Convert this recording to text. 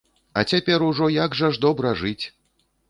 А цяпер ужо як жа ж добра жыць!